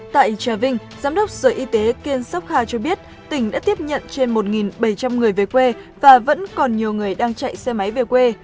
tại trà vinh giám đốc sở y tế kiên sóc khao cho biết tỉnh đã tiếp nhận trên một bảy trăm linh người về quê và vẫn còn nhiều người đang chạy xe máy về quê